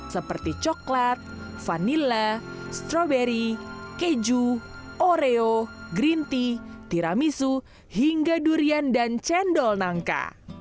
seperti coklat vanila stroberi keju oreo green tea tiramisu hingga durian dan cendol nangka